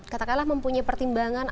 katakanlah mempunyai pertimbangan